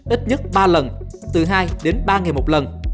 ít nhất ba lần từ hai đến ba ngày một lần